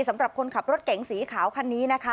สำหรับคนขับรถเก๋งสีขาวคันนี้นะคะ